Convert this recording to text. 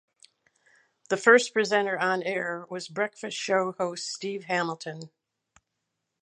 The first presenter on air was breakfast show host Steve Hamilton.